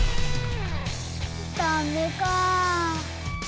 ダメか。